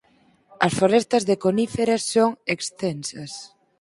As forestas de coníferas son extensas.